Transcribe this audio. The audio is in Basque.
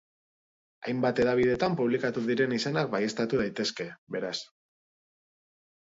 Hainbat hedabidetan publikatu diren izenak baieztatu daitezke, beraz.